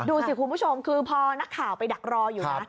ดูสิคุณผู้ชมคือพอนักข่าวไปดักรออยู่นะ